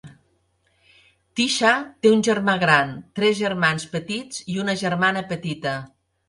Tisha té un germà gran, tres germans petits i una germana petita.